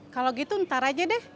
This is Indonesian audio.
kalau gitu ntar aja deh